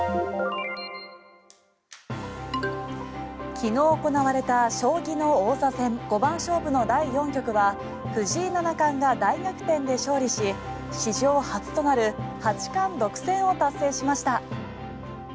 昨日行われた将棋の王座戦５番勝負の第４局は藤井七冠が大逆転で勝利し史上初となる八冠独占を達成しました。